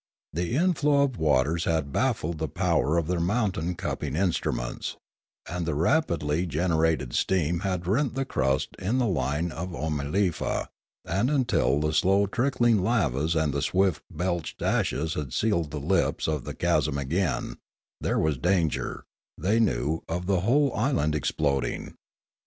The inflow of the waters had baffled the power of their mountain cupping instruments, and the rapidly generated steam had rent the crust in the line of Oomalefa; and until the slow trickling lavas and the swift belched ashes had sealed the lips of the chasm again, there was danger, they knew, of the whole island exploding.